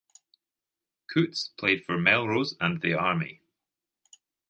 Coutts played for Melrose and the Army.